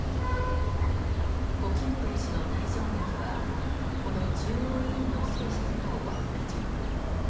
胡錦涛氏の退場劇はこの中央委員の選出が終わった直後。